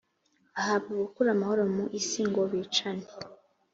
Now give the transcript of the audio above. ahabwa gukura amahoro mu isi ngo bicane